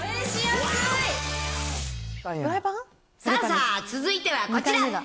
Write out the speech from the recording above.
さあさあ、続いてはこちら。